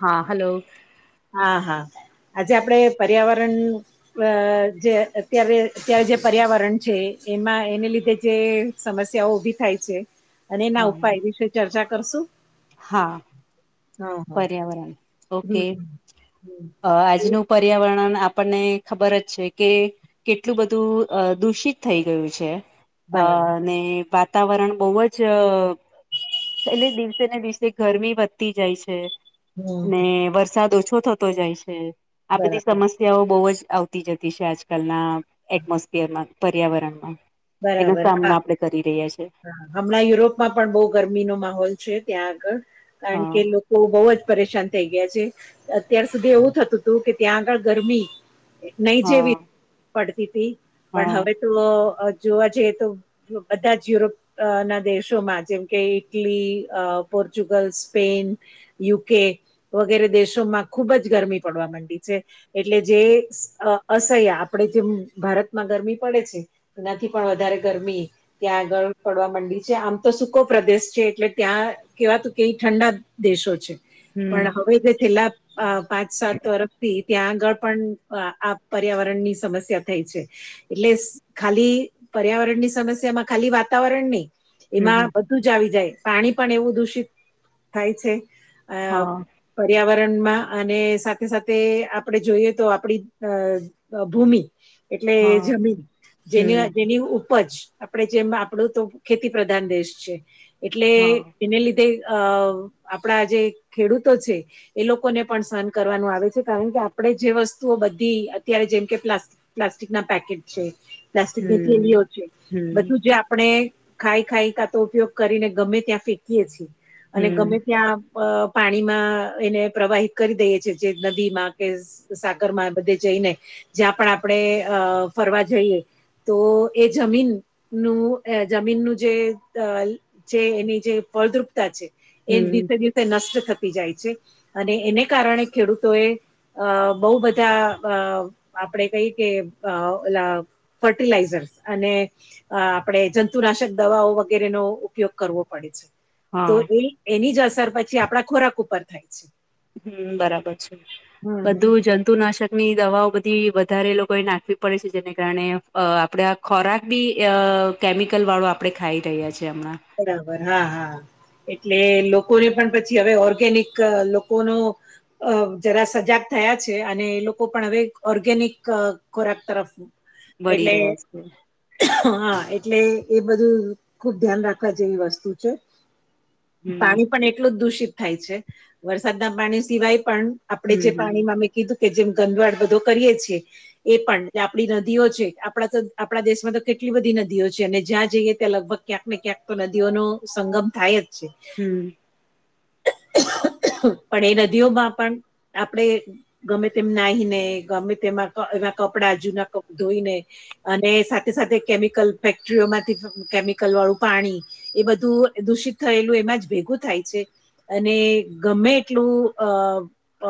હા હલો. હા હા આજે આપડે પર્યાવરણ અ જે અત્યારે અત્યારે જે પર્યાવરણ છે એમાં એને લીધે જે સમસ્યાઓ ઉભી થાય છે અને એના હા ઉપાય વિશે ચર્ચા કરશું. હા હા હા પર્યાવરણ હમ ઓકે અ આજનું પર્યાવરણ આપણને ખબર જ છે કે કેટલું બધું અ દૂષિત થઈ ગયું છે અ બરાબર ને વાત તાવરણ બહુ જ એટલે દિવસે ને દિવસે ગરમી વધતી જાય છે. છે હમ ને વરસાદ ઓછો થતો જાય છે આ બધી બરાબર સમસ સ્યાઓ બહુ જ આવતી જતી છે આજકાલના એટમોસ્ફિયરમાં પર્યાવરણમાં. એનો બરાબર સામનો હા. આપણે કરી રહ્યા છે હમણાં યુરોપમાં પણ બહુ ગરમીનો માહોલ છે ત્યાં આગળ કારણ હા કે લોક કો બહુ જ પરેશાન થઈ ગયા છે અત્યાર સુધી એવું થતું હતું કે ત્યાં આગળ ગરમી નહી હા જેવી પડતી તી પણ હા હવે તો અ જોવા જઈએ તો બધા જ યુરોપ અ ના દેશોમાં જેમ કે ઈટલી, અ પોર્ચુગલ્સ, સ્પેન યુકે વગેરે દેશોમાં ખુબ જ ગરમી પડવા મંડી છે. એટલે જે અ અસહ્ય આપડે જેમ ભારતમાં ગરમી પડે છે એનાથી પણ વધારે ગરમી ત્યાં આગળ પડવા મંડી છે આમ તો સૂકો પ્રદેશ છે એટલે ત્યાં કેવાતું કે ઠંડા દેશો છે હમ પણ હવે જે છેલ્લા અ પાંચ સાત વર્ષથી ત્યાં આગળ પણ અ આ પર્યાવરણ ની સમસ્યા થઈ છે એટલે ખાલી પર્યાવરણની સમસ્યામાં ખાલી વાતાવરણ ની હમ એમાં બધ તું જ આવી જાય પાણી પણ એવું દૂષિત થાય છે. અ હા. પર્યાવરણમાં અને સાથે સાથે આપણે જોઈએ તો આપડી જ અ અ ભૂમિ એટલે હા એ જમીન જેની હમ જેની ઉપજ આપડે જેમ આપડું તો ખેતી પ્રધાન દેશ છે. એટલે હા એને લીધે અ આપણા જે ખેડૂતો છે. એ લોકોને પણ સહન કરવાનું આવે છે કારણ કે આપડે જે વસ્તુઓ બધી અત્યારે જેમકે પ્લાસ્ટિક પ્લાસ્ટિક ના પેકેટ છે, પ્લાસ્ટિકની હમ થેલીઓ છે હમ બધું જે આપ આપણે ખાઈ ખાઈ કા તો ઉપયોગ કરીને ગમે ત્યાં ફેંકીએ છીએ અને હમ ગમે ત્યાં અ પાણીમાં એને પ્રવાહિત કરી દઈએ છે જે નદી માં કે સાગર માં બધે જઈને જ્યાં પણ આપણે અ ફરવા જઈએ તો એ જમીન નું અ જમીનનું જે જે એની જે ફળદ્રુપતા છે એ હમ દિવસે દિવસે તે નષ્ટ થતી જાય છે અને એને કારણે ખેડૂતો એ અ બો બધા અ આપડે કઈ કે ઓલા ફર્ટિલાઇઝર્સ અને અ આપણે જંતુનાશક દવાઓ વગેરેનો ઉપયોગ કરવો પડે છે. તો હા એ એની જ અસર પછી આપડા ખોરાક ઉપર થાય છે. હમમ બરાબર છે હમ હમ. બધું જંતુનાશક ની દવાઓ બધી વધારે લોકોએ નાખવી પડે છે જેને કારણે આપણે અ આ ખોરાક બી અ કેમિકલ વાળો આપણે ખાઈ રહ્યા છીએ હમણાં. બરાબર હા હા. એટલે લોકોને પણ પછી હવે ઓર્ગેનિક લોકોનો અ જરા સજાગ થયા છે અને એ લોકો પણ હવે ઓર્ગેનિક ખોરાક તરફ વળી એટલે રહ્યા છે હા એટલે એ બધું ખુબ ધ્યાન રાખ રાખવા જેવી વસ્તુ છે હમ પાણી પણ એટલું જ દૂષિત થાય છે. વરસાદના પાણી સિવાય પણ આપણે હમ જે હમ પાણીમાં કીધું કે જેમ ગંદવાડ બધો કરીએ છીએ એ પણ જે આપડી નદીઓ છે આપણા તો આપણા દેશમાં તો કેટલી બધી નદીઓ છે અને જ્યાં જઈએ ત્યાં લગભગ ક્યાંક ને ક્યાંક તો નદીઓનો સંગમ થાય જ છે. હમમ. પણ એ નદીઓમાં પણ આપણેે ગમે તેમ નાહીને ગમે તેમાં એવા કપડા જુના કપડાં ધોઈને અને સાથે સાથે કેમિકલ ફેક્ટરીઓમાંથી કેમિકલ વાળું પાણી એ બધું દૂષિત થયેલું એમાં જ ભેગું થાય છે. અને ગમે એટલું અ પ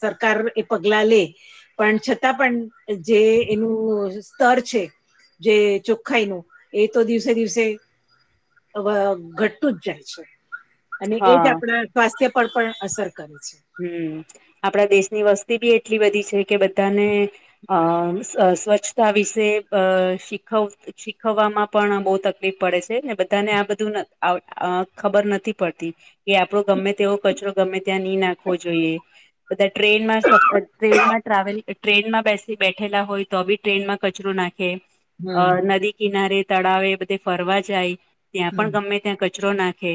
સરકાર એ પગલા લે પણ છતાં પણ જે એનું સ્તર છે જે ચોખ્ખાઈ નું એ તો દિવસે દિવસે અવ ઘટતું જ જાય છે અને એજ હા આપડા સ્વાસ્થ્ય પર પણ અસર કરે છે. હમમ આપણા દેશની વસ્તી બી એટલી બધી છે કે બધાને અ સ્વ સ્વચ્છ સ્વછતા વિશે અ શીખ શીખવવામાં પણ બો તકલીફ પડે છે અને બધાને આ બધું ખબર નથી પડતી, કે આપડો ગમે તેવો કચરો ગમે ત્યાં નહી નાખ વો જોઈએ. બધા ટ્રેનમાં સ ટ્રેનમાં ટ્રાવેલ ટ્રેનમાં બેસી બેઠેલા હોય તો બી ટ્રેનમાં કચરો નાખે. અ હમ નદી કિનારે તળાવ એ બધે ફરવા જાય, ત્યાં પણ હમ ગમે ત્યાં કચરો નાખે,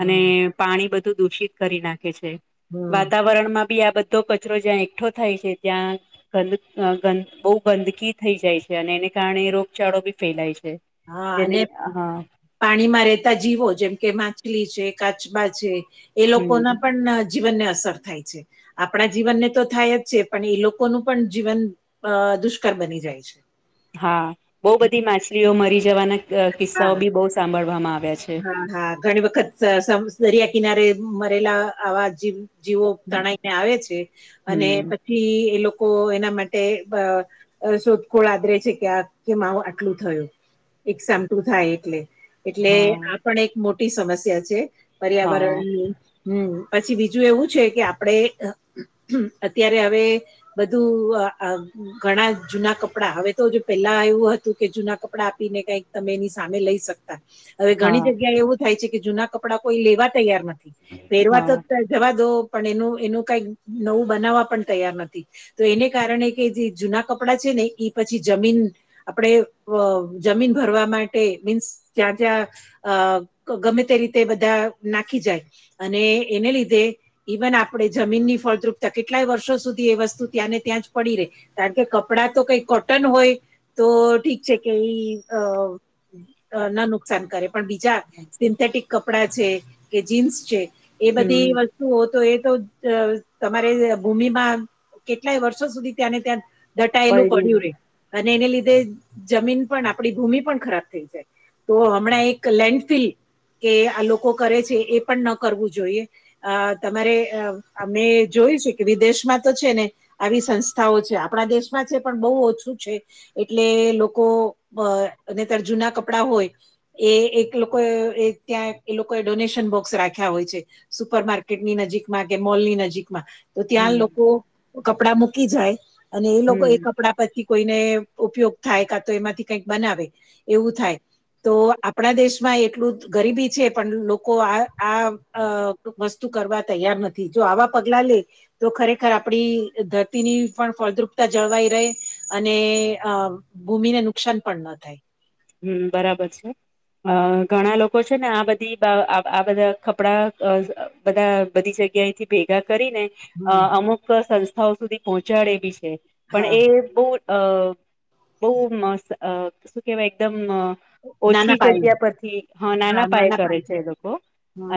અને હમ પાણી બધું દૂષિત કરી નાખે છે. હમ વાતાવરણ માં બી આ બધો કચરો જ્યાં એકઠો થાય છે ત્યાં. ગંદ ગ બહુ ગંદકી થઈ જાય છે અને એને કારણે રોગચાળો બી ફેલાય છે. હા, જેને અને હા પાણીમાં રહેતા જીવો જેમ કે માછલી છે કાચબા છે, એ લોકો હમ ના પણ જીવનને અસર થાય છે. આપણા જીવનને તો થાય જ છે પણ એ લોકોનું પણ જીવન અ દુષ્કર બની જાય છે. હા બહુ બધી માછલીઓ મરી જવાના હા કિસ્સાઓ હા. બી બહુ સાંભળવામાં આવ્યા છે. હા. ઘણી વખત સંસ દરિયા કિનારે મરેલા આવા જીવો તણાઈને આવે છે, અને હમ પછી એ લોકો એના માટે શોધખોળ આદરે છે કે આ કે માવ આટલું થયું, એક સા ટું થાય, એટલે એટલે હા આ પણ એક મોટી સમસ્યા છે, હા પર્યાવરણ હમ્મ પછી બીજું એવું છે કે આપડે અત્યારે હવે બધું ઘણા જૂના કપડા હવે તો પેલા એવું હતું કે જૂના કપડા આપીને કઈક તમે એની સામે લઈ શકતા, હવે ઘણી હા જગ્યા એવું થાય છે કે જૂના કપડાં કોઈ લેવા તૈયાર નથી. પહેરવા તો હા જવા દો પણ એનું એનું કઈ નવું બનાવવા પણ તૈયાર નથી. તો એને કારણે કે જે જૂના કપડાં છે ને એ પછી જમીન આપણે જમીન ભરવા માટે મીન્સ ત્યાં જ્યાં અ ગમે તે રીતે બધા નાખી જાય, અને એને લીધે ઇવન આપણે જમીનની ફળદ્રુપતા કેટલાય વર્ષો સુધી એ વસ્તુ ત્યાંને ત્યાં જ પડી રેય. કારણ કે કપડાં તો કઈ કોટન હોય, તો ઠીક છે કેઈ અ ન નુકસાન કરે પણ બીજા, સિન્થેટિક કપ ડા છે, કે જીન્સ છે, એ બધી હમ વસ્તુ ઓ એ તો તમારે ભૂમિમાં કેટલાય વર્ષો સુધી ત્યાંને ત્યાં દટાયેલું પડી પડ્યું રે, અને એને લીધે જમીન પણ આપ ણી ભૂમિ પણ ખરાબ થઈ જાય, તો હમણાં એક લેન્ડફિલ. કે આ લોકો કરે છે એ પણ ન કરવું જોઈએ. અ તમારે અમે જોયું છે કે વિદેશમાં તો છે ને. આવી સંસ્થાઓ છે આપણા દેશમાં છે પણ બહુ ઓછું છે, એટલે લોકો અને ત્યારે જૂના કપડા હોય. એ એક લોકો ત્યાં એ લોકોએ ડોનેશન બોક્સ રાખ્યા હોય છે. સુપર માર્કેટની નજીકમાં કે મોલની નજીકમાં. તો ત્યાં હમ લોકો કપડા મૂકી જાય, અને એ લોકો હમ એ કપડા પથી કોઈને ઉપયોગ થાય કા તો એમાંથી કઈક બનાવે, એવું થાય. તો આપણા દેશમાં એટલું ગરીબી છે પણ લોકો આ આ અ વસ્તુ કરવા તૈયાર નથી જો આવા પગલા લે. તો ખરેખર આપણી ધરતીની પણ ફળદ્રુપતા જળવાઈ રહે, અને અ ભૂમિ ને નુકસાન પણ ન થાય. હમ્મ બરાબર છે. અ ઘણા લોકો છે ને આ બધી આ બધા કપડા બધા બધી જગ્યા એ થી ભેગા કરી ને અ હમ, અમુક સંસ્થાઓ સુધી પહોંચાડે બી છે પણ હા એ બોવ અ બોવ મસ્ત અ શું કેવાય એકદમ ઓછી નાના પાયે જગ્યા પરથી હ નાના પાયે કરે છે એ લોકો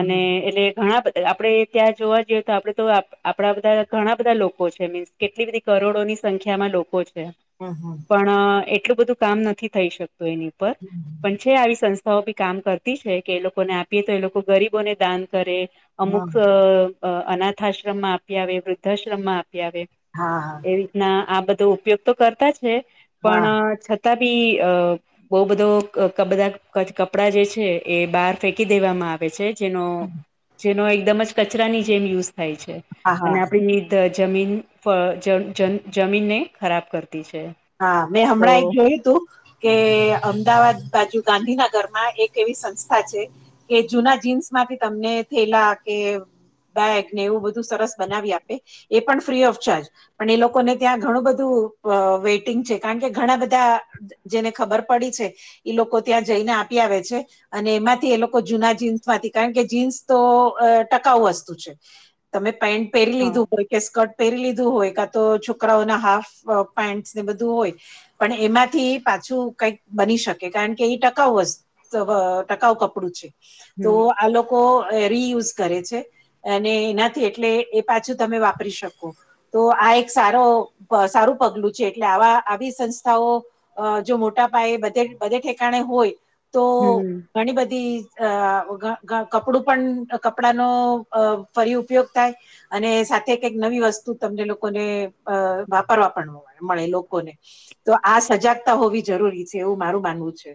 અને એટલે ઘણા બધા આપણે ત્યાં જોવા જઈએ તો આપડે તો આપણા બધા ઘણા બધા લોકો છે મીન્સ કેટલી બધી કરોડોની સંખ્યામાં લોકો છે હમ્મ હમ્મ પણ એટલું બધું કામ નથી થઈ શકતું એની ઉપર હમ, હમ, પણ છે આવી સંસ થાઓબી કામ કરતી છે કે એ લોકોને આપીએ તો એ લોકો ગરીબોને દાન કરે અમુક હમ, અ અનાથ આશ્રમમાં આપી આવે વૃદ્ધાશ્રમમાં આપી આવે. હા હા એવી રીતના આ બધો ઉપયોગ તો કરતા છે હા પણ છતાં બી અ બઉ બધો બધા કપડા જે છે એ બહાર ફેંકી દેવામાં આવે છે. જેનો જેનો એકદમ જ કચરાની જેમ યુઝ થાય છે હા હા અને આપડી ત જમીન ફળ જમીનને ખરાબ કરતી છે. હા મેં તો હમણાં એક જોયું તું કે અમદાવાદ બાજુ ગાંધીનગર માં એક એવી સંસ્થા છે. કે જૂના જીન્સ માંથી તમને થેલા કે બેગ ને એવું બધું સરસ બનાવી આપે એ પણ ફ્રી ઓફ ચાર્જ. પણ એ લોકોને ત્યાં ઘણું બધું વેટિંગ છે કારણ કે ઘણા બધા જેને ખબર પડી છે ઈ લોકો ત્યાં જઈને આપી આવે છે. અને એમાંથી એ લોકો જૂના જીન્સ માંથી કારણ કે જીન્સ તો ટકાઉ વસ્તુ છે. તમે પેન્ટ પહેરી હા લીધું હોય કે સ્કર્ટ પહેરી લીધું હોય કા તો છોકરાઓના હાફ પેન્ટ ને બધું હોય પણ એમાંથી પાછું કઈક બની શકે કારણ કે એ ટકાઉ વસ્તુ ટકાઉ કપડું છે તો હમ આ લોકો રિયુઝ કરે છે એ નાથી એટલે એ પાછું તમે વાપરી શકો. તો આ એક સારો સારું પગલું છે એટલે આવા આવી સંસ્થાઓ જો મોટા પાયે બધે ઠેકાણે હોય તો હમ્મ ઘણી બધી કપડું પણ કપડાનો ફરી ઉપયોગ થાય અને સાથે કંઈક નવી વસ્તુ તમને લોકોને અ વાપરવા પણ મળે લોકોને તો આ સજાગતા હોવી જરૂરી છે એવું મારું માનવું છે.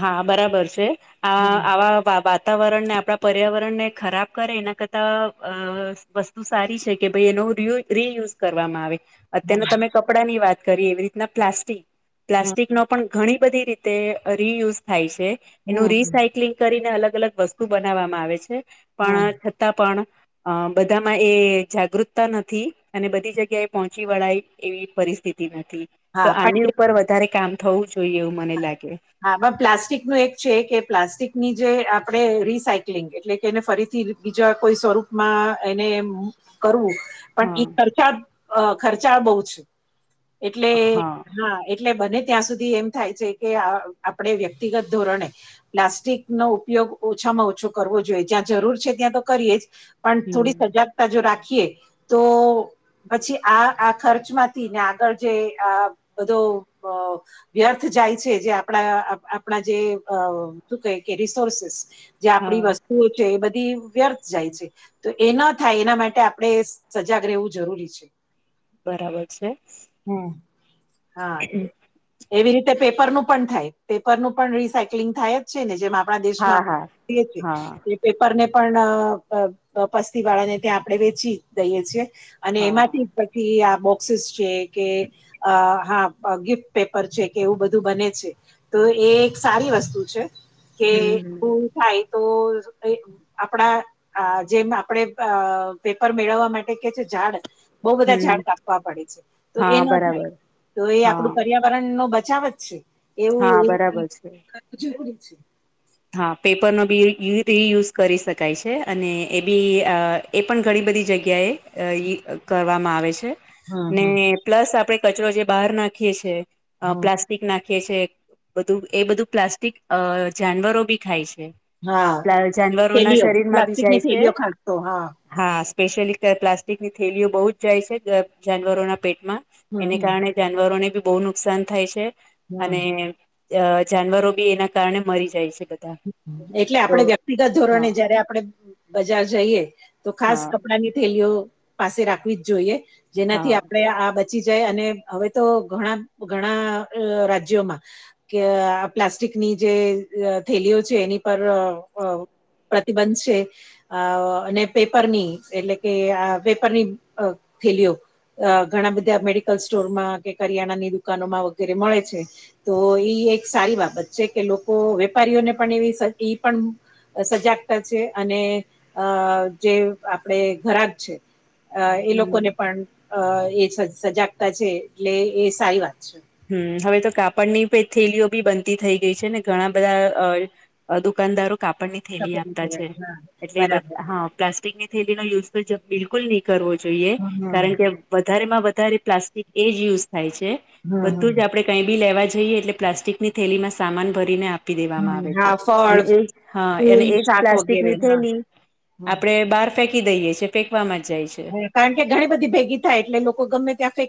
હા બરાબર છે આ હમ આવા [unintelligible] વાતાવરણને આપણા પર્યાવરણ ને ખરાબ કરે એના કરતાં અ વસ્તુ સારી છે કે ભાઈ એનો રિ રિયુઝ કરવામાં આવે. અત્યારના હમ તમે કપડાં ની વાત કરીએ એવી રીતના પ્લાસ્ટિક હમ પ્લાસ્ટિક નો પણ ઘણી બધી રીતે રિયુઝ થાય છે એનું હમ રિસાયક્લિંગ કરીને અલગ અલગ વસ્તુ બનાવવામાં આવે છે. હમ પણ છતાં પણ અ બધામાં એ જાગૃતતા નથી અને બધી જગ્યા એ પહોંચી વળાય એવી પરિસ્થિતિ નથી તો હા આની પણ ઉપર વધારે કામ થવું જોઈએ એવું મને લાગે હા પ્લાસ્ટિક નું એક છે કે પ્લાસ્ટિકની જે આપણે રીસાયક્લિંગ એટલે કે એને ફરીથી બીજા કોઈ સ્વરૂપમાં એને એમ કરવું પણ હા એ ખર્ચા અ ખર્ચાળ બહુ છે એટલે હા એટલે બને ત્યાં સુધી એમ થાય છે કે આપણે વ્યક્તિગત ધોરણે પ્લાસ્ટિક નો ઉપયોગ ઓછામાં ઓછો કરવો જોઈએ જ્યાં જરૂર છે ત્યાં તો કરીએ જ. પણ થોડી હમ સજાગતા જો રાખીએ, તો પછી આ આ ખર્ચમાંથી ને આગળ જે આ બધો અ વ્યર્થ જાય છે જે આપણા આપણા જે શું કહે કે રિસોર્સસ. જે આપડી હા વસ્તુઓ છે એ બધી વ્યર્થ જાય છે. તો એ ન થાય એના માટે આપડણે સજાગ રહેવું જરૂરી છે. બરાબર છે. હમ, હા. એવી રીતે પેપરનું પણ થાય પેપરનું પણ રિસાયક્લિંગ થાય. છે ને જેમ આપણા હા હા. હા દેશમાંએ પેપર ને પણ પસ્તી વાળાને ત્યાં આપણે વેચી દઈએ છીએ. અને હા હા એમાંથી પછી આ બોક્સીસ છે કે, હા ગિફ્ટ પેપર છે કે એવું બધું બને છે, તો એ એક સારી વસ્તુ છે. કે હમ હમ શું થાય તો આપણા જેમ આપડે પેપર મેળવવા માટે કે છે ઝાડ. બઉુ બધા હમ ઝાડ કાપવા પડે છે, તો એ હા ન થાય, બરાબર તો એ આપડું હા પર્યાવરણ નો બચાવ જ છે, હા એવુંવ બરાબર છે. જરૂરી છે. હા પેપરનો બી રિયુઝ કરી શકાય છે અને એ બી એ પણ ઘણી બધી જગ્યાએ કરવામાં આવે છે. હમ હમ ને પ્લસ આપણે કચરો જે બહાર નાખીએ છે, હમ પ્લાસ્ટ પિક નાખી છ છે બધું એ બધું પ્લાસ્ટિક જાનવરો બી ખાય છે. હા પલા જાનવરો ના થેલીઓ શરીર માં ભી પ્લાસ્ટિકની જાય છે. થેલીઓ ખાસ તો હા હા સ્પેશિયલી પ્લાસ્ટિકની થેલીઓ બહુ જ જાય છે જાનવરોના પેટમાં. હમ એને હમ કારણે જાનવરોને બી બહુ નુકસાન થાય છે, હમ અને અ જાનવરો બી એના કારણે મરી જાય છે. બધા એટલે તો આપડે વ્યક્તિગત ધોરણે હા જયારે આપડે બજાર જઈએ. તો ખાસ હા કપડાની થેલીઓ પાસે રાખવી જ જોઈએ, જેનાથી હા આપડણે આ પચી જાય અને હવે તો ઘણા ઘણા રાજ્યોમાં. કે પ્લાસ્ટિકની જે થેલીઓ છે એની પર પ્રતિબંધ છે. અ અને પેપરની એટલે કે પેપરની થથીલીઓ. અ ઘણા બધા મેડિકલ સ્ટોરમાં કે કરિયાણાની દુકાનોમાં વગેરે મળે છે. તો એ એક સારી બાબત છે કે લોકો વેપારીઓને પણ એવી ઈ પણ સજાગતા છે અને અ જે આપડ ઘરાક છે. અ એ હમ લોકોને પણ અ એ સજાગતા છે એટલે એ સારી વાત છે. હમ હવે તો કાપડની થેલીઓ બી બનતી થઈ ગઈ છે ને ઘણા બધા દુકાનદારો કાપડની થેલી સફરજન આપતા સિવાય. છે, હા, એટલે એ બરાબર બધા હા. પ્લાસ્ટિકની થેલી નો યુઝ બિલકુલ નહી કરવો જોઈએ, હમ, કારણ કે વધારે માં વધારે પ્લાસ્ટિક એ જ યુઝ થાય છે, હમ, હમ, બધું જ આપણે કંઈ બી લેવા જઈએ એટલે પ્લાસ્ટિકની થેલીમાં સામાન ભરીને આપ આપી દેવામાં હમ. આવે છે, હા ફળ અને એ હા ફૂલ અને એજ શાક વગેરે પ્લાસ્ટિકની હા થયલી. હમ. આપડણે બહાર ફેંકી દઈએ છેએ ફેંકવામાં જ જાય છે. કારણ કે ઘણી બધી ભેગી થાય એટલે લોકો ગમે ત્યાં ક